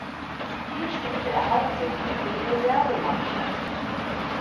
Hier spielte er hauptsächlich für die Reservemannschaft.